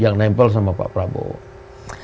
yang nempel sama pak prabowo